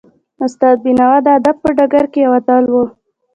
استاد بینوا د ادب په ډګر کې یو اتل و.